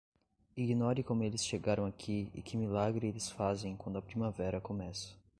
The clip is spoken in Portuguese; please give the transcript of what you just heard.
Ignore como eles chegaram aqui e que milagre eles fazem quando a primavera começa.